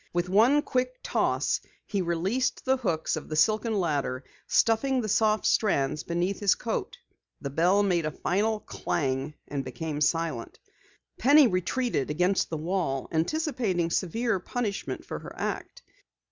With one quick toss he released the hooks of the silken ladder, stuffing the soft strands beneath his coat. The bell made a final clang and became silent. Penny retreated against the wall, anticipating severe punishment for her act.